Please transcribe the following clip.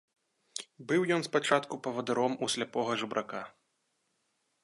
Быў ён спачатку павадыром у сляпога жабрака.